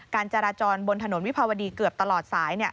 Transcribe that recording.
การจราจรบนถนนวิภาวดีเกือบตลอดสาย